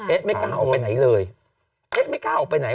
ไม่กล้าออกไปไหนเลยเอ๊ะไม่กล้าออกไปไหน